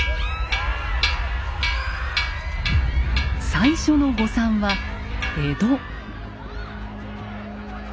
最初の誤算は江戸。